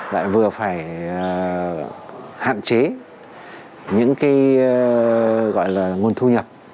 lại vừa phải hạn chế những cái gọi là nguồn thu nhập